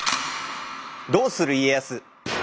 「どうする家康」。